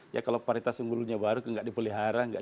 ya kalau paritas unggulnya baru kemudian kita bisa menggunakan